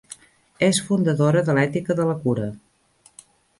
És fundadora de l'ètica de la cura.